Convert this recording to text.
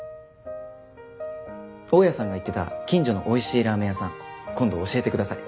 大家さんが言ってた近所の美味しいラーメン屋さん今度教えてください。